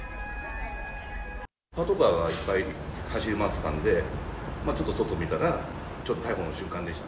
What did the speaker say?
パトカーがいっぱい走り回ってたんで、ちょっと外見たら、ちょっと逮捕の瞬間でした。